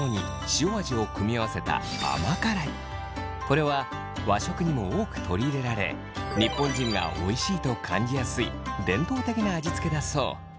これは和食にも多く取り入れられ日本人がおいしいと感じやすい伝統的な味付けだそう。